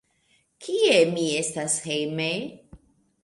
Kie mi estas hejme?